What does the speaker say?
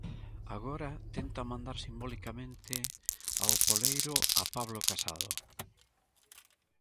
Agora tenta mandar simbolicamente ao poleiro a Pablo Casado.